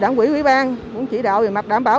đảng quỹ quỹ ban cũng chỉ đạo về mặt đảm bảo